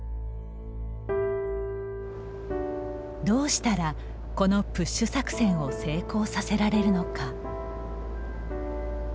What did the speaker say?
どうしたらこのプッシュ作戦を成功させられるのか。